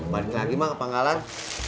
balik lagi mak ke panggalan